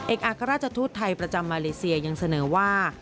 อัครราชทูตไทยประจำมาเลเซียยังเสนอว่า